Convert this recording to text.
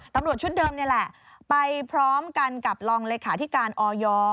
ตำรวจชุดเดิมนี่แหละไปพร้อมกันกับรองเลขาธิการออย